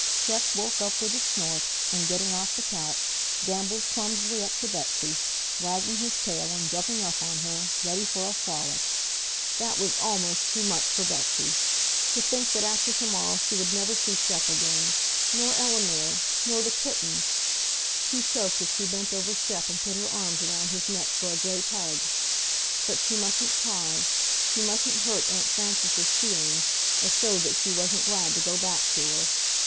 Shep woke up with a snort and, getting off the couch, gamboled clumsily up to Betsy, wagging his tail and jumping up on her, ready for a frolic. That was almost too much for Betsy! To think that after tomorrow she would never see Shep again—nor Eleanor! Nor the kittens! She choked as she bent over Shep and put her arms around his neck for a great hug. But she mustn't cry, she mustn't hurt Aunt Frances's feelings, or show that she wasn't glad to go back to her.